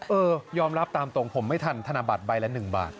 เออยอมรับตามตรงผมไม่ทันธนบัตรใบละ๑บาท